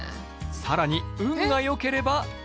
更に運がよければ。